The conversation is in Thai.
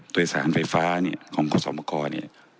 ตรวจสารไฟฟ้าของภศมกเนี่ย